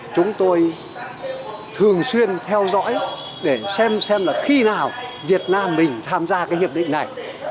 chúng tôi thường xuyên theo dõi để xem xem là khi nào việt nam mình tham gia cái hiệp định này